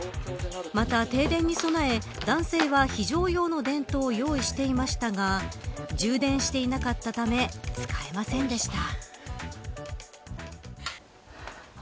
また、停電に備え男性は非常用の電灯を用意していましたが充電していなかったため使えませんでした。